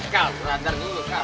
kal lu latar dulu kal